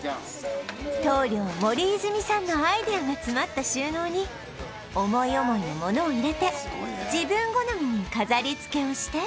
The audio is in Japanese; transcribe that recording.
棟梁森泉さんのアイデアが詰まった収納に思い思いの物を入れて自分好みに飾りつけをして